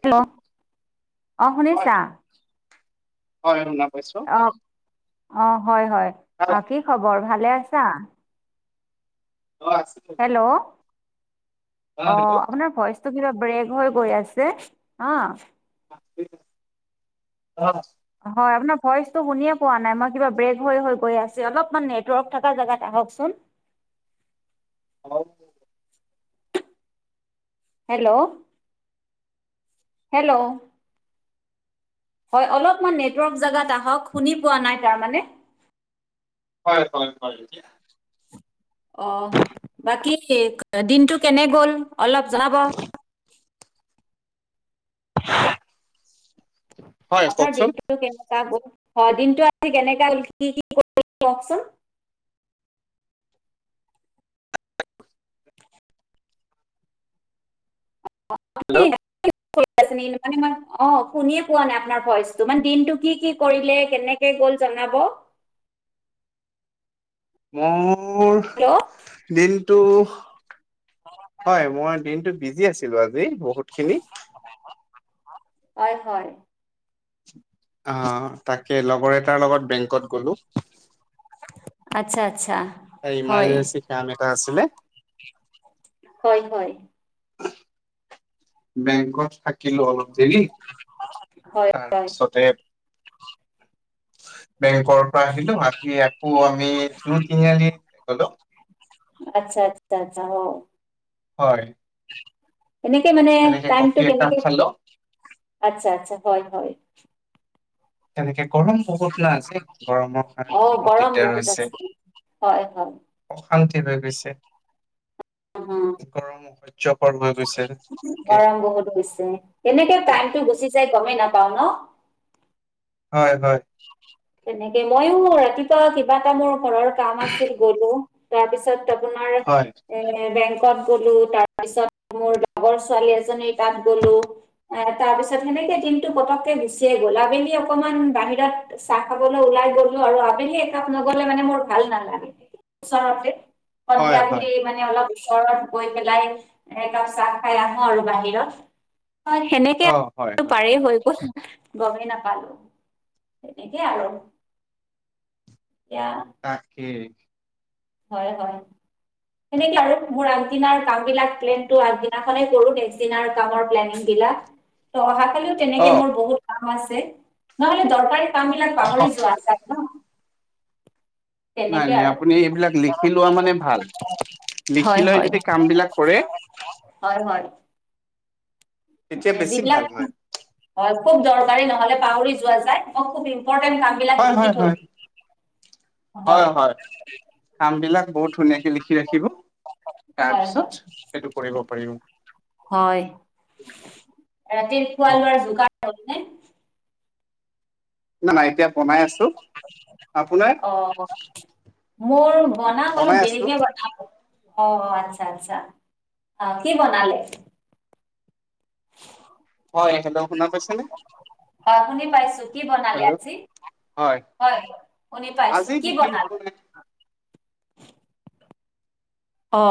Hello অ হয় শুনিছা। হয়। পাইছো অ অ হয় হয় অ কি খবৰ ভালে আছা? হেল্ল'। অ আপোনাৰ ভইচটো কিবা ব্ৰেক হৈ গৈ আছে হা। অ। হয় আপোনাৰ ভইচ টো শুনিয়ে পোৱা নাই মই কিবা ব্ৰেক হৈ হৈ গৈ আছে অলপমান নেটৱৰ্ক থকা জেগাত। আহওকচোন। হেল্ল। হেল্ল' হেল্ল' হয় অলপমান নেটৱৰ্ক জেগাত আহক শুনি পোৱা নাই তাৰ মানে। হয় হয় হয়। অ বাকী দিনটো কেনে গ'ল অলপ জনাব। হয় আপোনাৰ কওকচোন হয় দিনটো আজি কেনেকা কি কি কৰি কওকচোন। অ হেল্ল' মানে ম অ শুনিয়ে পোৱা নাই আপোনাৰ ভইচটো মান দিনটো কি কি কৰিলে কেনেকে। গল্ জনাব। মোৰ হেল্ল' দিনটো হয় মই দিনটো বিজি আছিলো আজি বহুতখিনি। হয় হয়। অ তাকে লগৰ এটাৰ লগত বেংকত গলো্ আচ্ছা। আচ্ছা, হয়, কাম এটা আছিলে হয় হয়। বেংকত থাকিলো অলপ দেৰি হয় হয় তাৰপিছতে বেংকৰ পৰা আহিলো আহি আকৌ আমি জুই তিনিআলি গলো আচ্ছা আচ্ছা আচ্ছা হ। হয় [unintelligible] এনেক মানে তেনেকে টাইম টু কফি একাপ কেনকৈ খালো আচছা আচছা হয় হয়। তেনেকে গৰম বহুত আজি, গৰমৰ কাৰণে অঁ বহুত গৰম দিগদাৰ হৈছে। আছে হয় হয় অশান্তি গৈছে গৈছে অ, গৰম অসহ্যকৰ হৈ গৈছে তাকে গৰম বহুত গছে তেনেকে টাইমতটো গুচি যাই গমেই না। পাও ন? হয় হয় তেনেকে মইয়ো ৰাতি। কিবা এটা মোৰ ঘৰৰ কাম আছিল গলো তাৰপিছত আপোনাৰ হয় এ বেঙ্ক। গলোঁ তাৰপিছত মোৰ লগৰ ছোৱালী এজনীৰ তাত গ'লো, এ তাৰ পিছত সেনেকে দিনতটো পতককে গুচিয়ে গ'ল আবেলি। অকণমান বাহিৰ ত চাহ খাবলৈ ওলাই গলো আৰু আবেলি একাপ নগলে মানে মোৰ ভাল নালাগে। ওচৰতে হয় সন্ধিয়া হয় বুলি মানে অলপ ওৰত গৈ পেলাই এ চাহ খাই আহো আৰু বাহিৰত। সেনেকে অ হয় হয় পাৰেই হৈ গ'ল গমেই নাপালো। একেই আৰু কয়া [unintelligible] তাকেই। হয় হয়। সেনেকে আৰু মোৰ আগ দিনাৰ কাম বিলাক প্লেন আগদিনাখনে কৰো, নেক্স দিনাৰ কামৰ প্লেনি তহা [unintelligible] খালিও অ তেনেকে মোৰ বহুত কাম আছে নহলে দৰকাৰী কাম বিলাক অ পাহৰি যোৱা যায় ন? নাই তেনেকে নাই আৰু আপুনি এইবিলাক লিখি লোৱা মানে ভাল লিখি হয় লৈ হয়। যদি কাম বিলাক কৰে হয় হয়। তেতিয়া বেছি যিবিলাক ভাল হয় হয় খুব দৰকাৰী নহলে পাহৰি যোৱা যায় মই খুব। ওপৰতে কাম বিলাক হয় হয় লিখি থল হয় হয়। কাম বিলাক বহুত ধুনীয়াকে লিখি ৰাখিব। তাৰ হয় হয় পিছত সেইটো কৰিব পাৰিম। হয় ৰাতিৰ খোৱা লোৱাৰ যোগাৰ হল নে? নাই নাই এতিয়া বনাই আছো, আপোনাৰ? অ মোৰ বনাম অলপ বনাই আছো দেৰিকে বনাম। অ আচ্ছা আচ্ছা, আহ কি বনালে? হয় হেল্ল' শুনাৰ পাইছে নে? হয় শুনি পাইছো। কি বনালি আজি? হয় শুনি পাইছো, আজি কি বিশেষ একো বনালে? নাই অ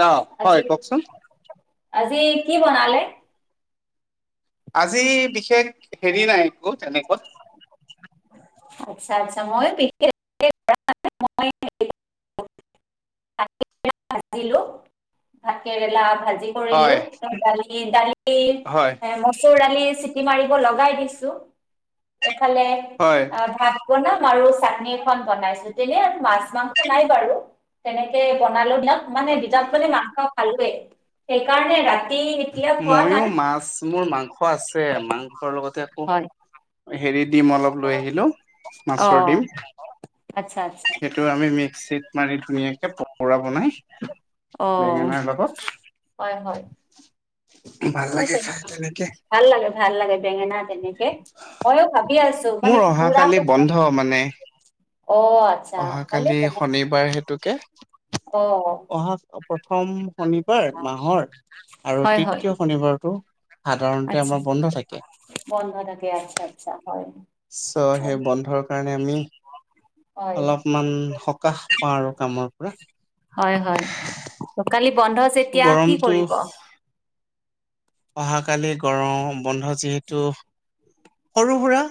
ন হয় আজি কওকচোন আজি কি বনালে? আজি বিশেষ হেৰি নাই একো তেনেকৈ। আচ্ছা আচ্ছা মই প [unintelligible] [unintelligible] ভাজিলো ভাত কেৰেলা ভাজি কৰিলো হয় দালি হয় এ মচুৰ দালি চিটি মাৰিব লগাই দিছো। ইফালে হয় আ ভাত বনাম আৰু চাটনি এখন বনাইছো তেনে মাছ মাংস নাই বাৰু তেনেকে বনালো মানে দিনত মানে মাংস খালোৱেই সেইকাৰণে ৰাতি এতিয়া খোৱা ময়ো নাই মাছ মোৰ মাংস আছে মাংসৰ লগতে আ হয় হেৰি দিম অলপ লৈ আহিলোঁ অ মাছৰ দিম। আচ্ছা আচ্ছা সেইটো আমি মিক্সিত মাৰি ধুনীয়াকে পকোৰা বনাই। অ বেঙেনাৰ লগত হয় হয়। ভাল স লাগে খাই তেনেকে ভাল লাগে ভাল লাগে বেঙেনা তেনেকে। ময়ো ভাবি আছো মানে মোৰ পুৰা ক অহাকালি বন্ধ মানে অহাকালি শনিবাৰ হেতুকে অ অহা প্ৰথম শনিবাৰ মাহৰ আৰু তৃতীয় শনিবাৰটো সাধাৰণতে আতচা আমাৰ বন্ধ থাকে বন্ধ থাকে আচ্ছা আচ্ছা হয়। চ' সেই বন্ধৰ কাৰণে আমি হয় অলপমান সকাহ পাওঁ আৰু কামৰ পৰা। হয় হয় কালি বন্ধ চ' যেতিয়া, কি গৰমটো কৰিব? অহাকালি গৰম বন্ধ যিহেতু সৰু সুৰা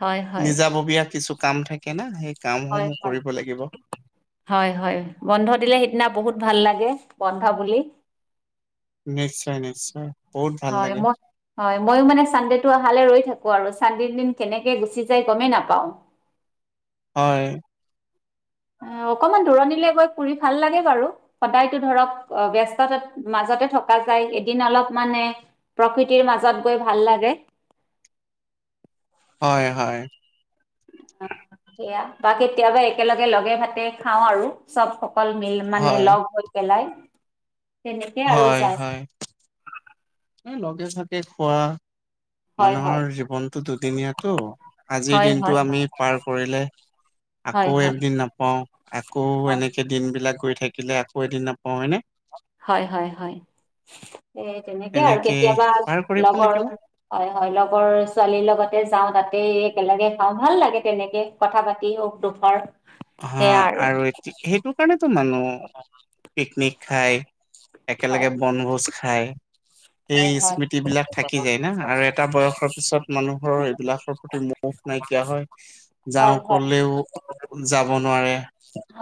হয় হয় নিজাববীয়া কিছু কাম থাকে না সেই হয় কামসমূহ হয় কৰিব লাগিব। হয় হয় বন্ধ দিলে সিদিনা বহুত ভাল লাগে। বন্ধ বুলি নিশ্চয় নিশ্চয়। বহুত ভাল হয় লাগে। মই হয় ময়ো মানে চানডেটো অহালে ৰৈ থাকো আৰু। চানদেদিৰ দিন কেনেকে গুচি যাই গমেই নাপাওঁ। হয়। অ অকমান দূৰণিলে গৈ পুৰি ভাল লাগে বাৰু সদায়তো ধৰক অ ব্যস্ততাত মাজ তে থকা যায় এদিন অলপ মানে প্ৰকৃতিৰ মাজত গৈ ভাল লাগে। [inaudible] হয় হয়। সেয়া বা কেতিয়াবা একেলগে লগে ভাতে খাও আৰু চব। ক মিল মানে হয় লগ হৈ পেলাই। তেনেকে আৰু হয় যায় হয় লগে থাকে খোৱা। হয় হয় মানুহৰ জীৱনতটো দুদিনীয়াতো আজিৰ হয় হয় দিনটো আমি পাৰ কৰিলে হয় আকৌ হয় এদিন নাপাওঁ আকৌ অ এনেকে দিন বিলাক গৈ থাকিলে আকৌ এদিন নাপাওঁ হয়নে। হয় হয় হয় এই তেনেকে আৰু কেতিয়াবা পাৰ কৰিব লগৰ লাগিব হয় হয় লগৰ ছোৱালীৰ লগতে যাওঁ তাতেই একেলগে খাওঁ ভাল লাগে তেনেকে কথা পাতি হ অ্ফাৰ হ আৰু সেইটো কাৰণেতো মানুহ পিকনিক খাই। হয় একেলগে বনভোজ খায়। সেই হয় হয় স্মৃতি বিলাক থাকি যায় না আৰু এটা বয়সৰ পিছত মানুহৰ এইবিলাকৰ প্ৰতি ম নাইকিয়া হয় যাওঁ হয় হয় ক'লেও যাব নোৱাৰে।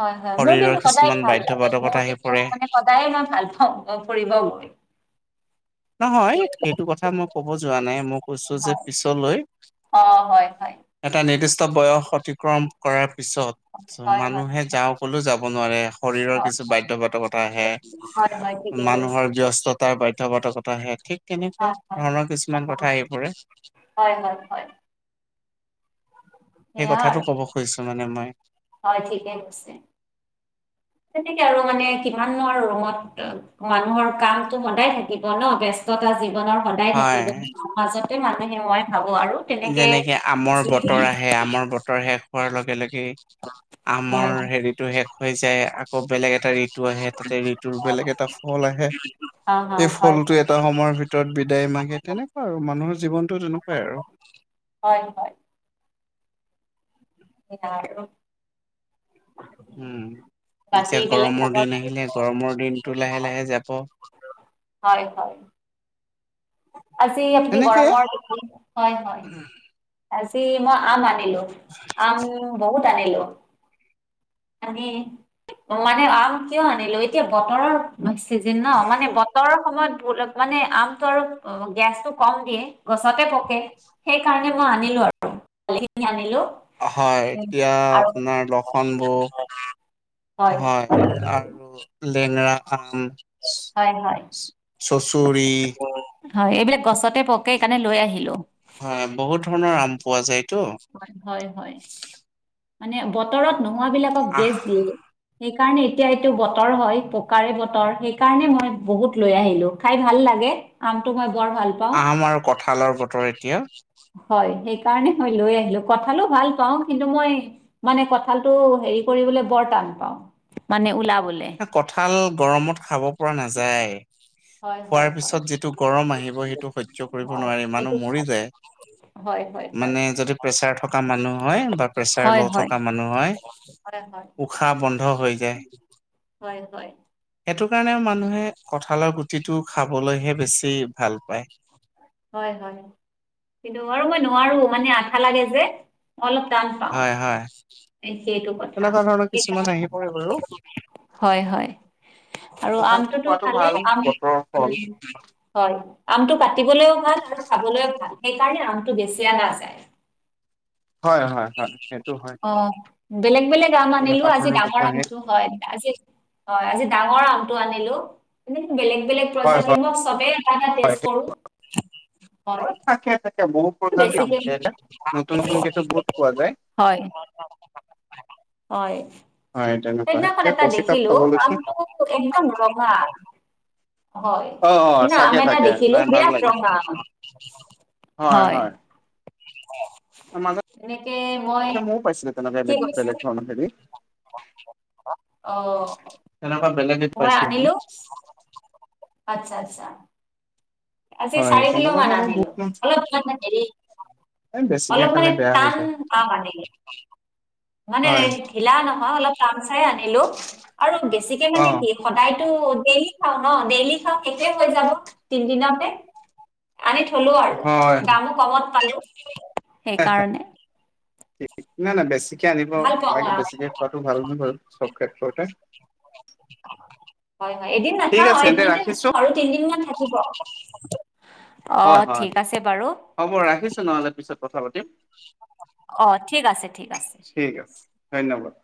হয় হয়। মোৰ শৰীৰৰ কিন্তু সদায় কিছুমান ভাল বাধ্য লাগে মোৰ বাধকতা আহি কিন্তু পৰে মানে সদায় মই ভাল পাওঁ ফুৰিব গৈ [unintelligible] নহয়। সেইটো কথা মই ক'ব যোৱা নাই মই কৈছো যে হয় পিছলৈ অ হয় হয়। এটা নিৰ্দিষ্ট বয়স অতিক্ৰম কৰাৰ পিছত হয় হয় মানুহে যাওঁ ক'লেও যাব নোৱাৰে। শৰীৰৰ হয় কিছু বাধ্যবাধকতা আহে হয় হয় ঠিকে কৈছে মানুহৰ ব্যস্ততাৰ বাধ্যবাধকতা আহে ঠিক তেনেকুৱা হয় হয় ধৰণৰ কিছুমান কথা আহি পৰে। হয় হয় হয় [unintelligible] সেই কথাটো আৰু ক'ব খুজিছো মানে মই হয় ঠিকেই নিশ্চয় তেনেকে আৰু মানে কিমাননো আৰু ৰুমত মানুহৰ কামটো সদায় থাকিব ন। ব্যস্ততা জি জীৱনৰ সদায় হয়। থাকিব মাজতে মানুহে মই ভাবো আৰু তেনেকে যেনেকে আমৰ বতৰ আহে আমৰ বতৰ শেষ হোৱাৰ লগে লগে আমৰ হয় হেৰিটো শেষ হৈ যায়। আকৌ বেলেগ এটা ঋতু আহে তাতে ঋতুৰ বেলেগ এটা ফল আহে। অ অ সেই হয় ফলটো এটা সময়ৰ ভিতৰত বিদায় মাগে তেনেকুৱা আৰু মানুহৰ জীৱনতটো তেনেকুৱাই আৰু। হয় হয়। ইয়া আৰু উম বাকী এতিয়া বেলেগ গৰমৰ খবৰ দিন আহিলে। গৰমৰ দিনটো লাহে লাহে যাব। হয় হয়। আজি আপুনি এনেকে গৰমৰ হয় হয় আজি মই আম লো আম বহুত আনিলো। আনি মানে আম কিয় আনিলো এতিয়া বতৰৰ চিজিন ন মানে বতৰৰ সময়ত। অলপ মানে আমটো আৰু গেছটো কম দিয়ে গছতে পকে সেই কাৰণে মই আনিলো আৰু কালিখিনি আনিলো। হয় উম, এতিয়া আৰু আপোনাৰ লখন [unintelligible] হয় [unintelligible] আৰু লেঙৰা হয় হয়। চৌ চৰি হয় এইবিলাক গছতে পকে সেইকাৰণে লৈ আহিলো। হয় বহুত ধৰণৰ আম পোৱা যায়। হয় হয় হয় মানে বতৰত নোহোৱাবিলাকক আহ গেছ দিয়ে। সেই কাৰণে এতিয়া এইটো বতৰ হয়। পকাৰে বতৰ সেই কাৰণে মই বহুত লৈ আহিলো খাই ভাল লাগে আমটো বৰ ভাল পাওঁ আম আৰু কঁঠালৰ বতৰ এতিয়া হয় সেইকাৰণে লৈ আহিলো কঁঠালো ভাল পাওঁ কিন্তু মই মানে কঁঠালটো হেৰি কৰিবলৈ বৰ টান পাওঁ। মানে ওলাব। কঠাল গৰমত খাব পৰা নাযায়। হয় হয় খোৱাৰ হয় পিছত যিটো গৰম আহিব। সেইটো সহ্য কৰিব হয় নোৱাৰি সেইটো মানুহ মৰি হয় যায়। হয় হয় মানে যদি প্ৰেচাৰ থকা মানুহ হয় বা প্ৰেচাৰ হয় হয় ল' হয় থকা হয় মানুহ হয় উশাহ বন্ধ হৈ যায়। হয় হয়। সেইটো কাৰণে মানুহে কঠালৰ গুটিটো খাবলৈহে বেছি ভাল পায়। হয় হয় কিন্তু আৰু মই নোৱাৰো মানে আঠা লাগে যে অলপ টান পাওঁ। হয় হয় সেইটো কথা তেনেকুৱা ধৰণৰ কিছুমান আহি পৰে বাৰু হয় হয় আৰু তথাপি আমটোতো খোৱাটো ভালেই ভাল আম বতৰৰ ফল। হয়। আমটো কাটিবলৈও ভাল আৰু খাবলৈও ভাল। সেইকাৰণে আমটো বেচি আনা যায়। হয় হয় সেইটো হয় অ বেলেগ বেলেগ আম আনিলো তেনেকুৱা আজি ধৰণৰ ডাঙৰ কথা আহে আমটো হয় আজি হয় আজি ডাঙৰ আমটো আনিলো বেলেগ বেলেগ হয় প্ৰজাতিৰ হয় মোক চবেই এটা এটা পেছ হয়। কৰো হয় থাকে থাকে বহুত প্ৰজাতিৰ আম বেছিকে,, থাকে এতিয়া। নতুন নতুনকেতো বহুত পোৱা যায় হয় হয় হয় তেনেকুৱা সেইদিনাখন এতিয়া এটা কফি কাপ দেখিলো খাব আম লৈছো। একদম ৰঙা হয় অ অ না আম থাকে এটা থাকে দেখিলো নাই ভাল বিৰাট লাগে ৰঙা আাৰ হয় হয় মাজতে এনেকে মই ময়ো পাইছিলো তেনেকুৱা এবিধ। কি বেলেগ কৰিছো ধৰণৰ হেৰি অহ তেনেকুৱা বেলেগ এবিধ মই পাইছিলো আনিলো আচ্ছা আচ্ছা আজি হয় চাৰি কিলো তেনেকুৱা মান ধৰণৰ আনিলো বহুত অলপ এই বেছিকে অলপ খালে মানে বেয়া হৈ টান যায় প মানে। মানে হয় ঢিলা নহয় অলপ টান। ই আনিলো আৰু বেছিকে অ মানে কি সদায়তো ডেইলি খাওঁ ন ডেইলি খাওঁ শেষে হৈ যাব তিন দিনতে আনি থলো আৰু হয়। দামো কমত পালো সেইকাৰণে নাই নাই বেছিকে আনিব ভাল পাওঁ মই নালাগে আম বেছিকে খোৱাাতটো ভাল ন বাৰু চব ক্ষেত্ৰতে হয় হয় এদিন ঠিক নাখাও আছে তেন্তে এদিনতে নাখা ৰাখিছো আৰু তিনদিন মান থাকিব অ হয় হয় ঠিক আছে বাৰু হ'ব ৰাখিছোঁ নহলে পিছত কথা পাতিম অ ঠিক আছে ঠিক আছে। ঠিক আছে ধন্যবাদ